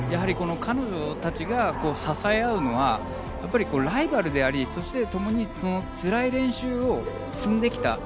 彼女たちが支え合うのはライバルでありそして、共につらい練習を積んできた。